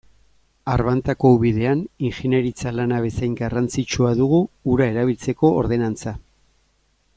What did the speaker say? Arbantako ubidean ingeniaritza lana bezain garrantzitsua dugu ura erabiltzeko ordenantza.